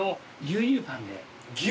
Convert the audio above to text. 牛乳パン？